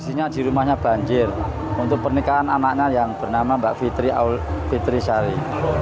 isinya di rumahnya banjir untuk pernikahan anaknya yang bernama mbak fitri sari